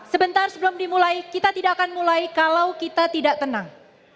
sebentar sebelum dimulai kita tidak akan mulai kalau kita tidak tenang